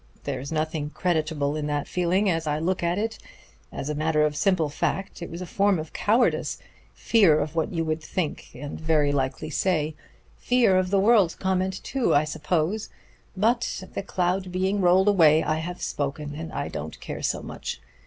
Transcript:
There's nothing creditable in that feeling, as I look at it; as a matter of simple fact, it was a form of cowardice fear of what you would think, and very likely say fear of the world's comment too, I suppose. But the cloud being rolled away I have spoken, and I don't care so much.